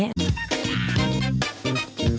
โปรดติดตามตอนต่อไป